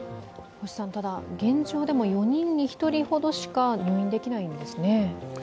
ただ、現状でも４人に１人ほどしか入院できないんですね？